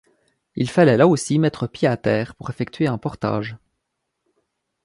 Il fallait là aussi mettre pied à terre pour effectuer un portage.